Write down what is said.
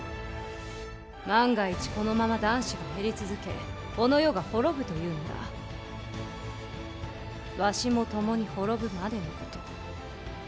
万が一このまま男子が減り続けこの世が滅ぶというならわしも共に滅ぶまでのこと。